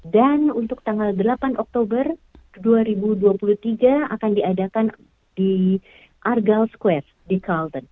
untuk tanggal delapan oktober dua ribu dua puluh tiga akan diadakan di argal squest di carlton